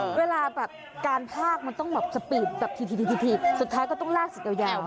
ออกให้เวลาแบบการพากมันต้องมีบอกสปี่ด้วยสุดท้ายก็ต้องลากจะเยาว